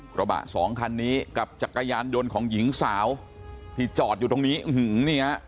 กระบะสองคันนี้กับจักรยานยนต์ของหญิงสาวที่จอดอยู่ตรงนี้อื้อหือนี่ฮะ